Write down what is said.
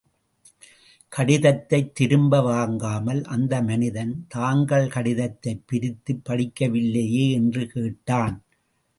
கடிதத்தைத் திரும்ப வாங்காமல், அந்த மனிதன், தாங்கள் கடிதத்தைப் பிரித்துப் படிக்கவில்லையே! என்று கேட்டான்.